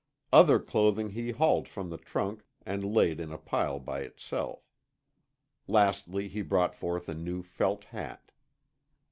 Other clothing he hauled from the trunk and laid in a pile by itself. Lastly he brought forth a new felt hat.